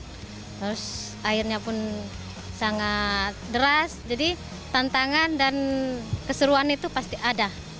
terus airnya pun sangat deras jadi tantangan dan keseruan itu pasti ada